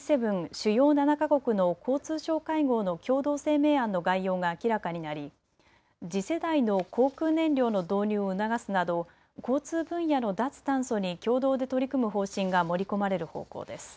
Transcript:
・主要７か国の交通相会合の共同声明案の概要が明らかになり次世代の航空燃料の導入を促すなど交通分野の脱炭素に共同で取り組む方針が盛り込まれる方向です。